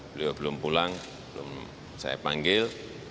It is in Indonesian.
beliau belum pulang belum saya panggil